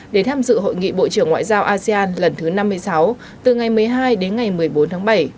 để tham dự hội nghị bộ trưởng ngoại giao asean lần thứ năm mươi sáu từ ngày một mươi hai đến ngày một mươi bốn tháng bảy